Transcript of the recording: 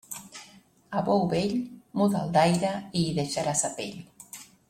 A bou vell, muda'l d'aire i hi deixarà sa pell.